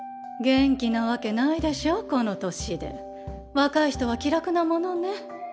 若い人は気楽なものね。